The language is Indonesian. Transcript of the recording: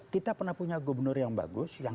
kita pernah punya gubernur yang bagus